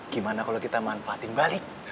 gimana kalau kita manfaatin balik